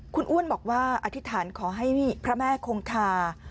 คุณอ้วนบอกว่าอธิษฐานขอให้พระแม่คงคา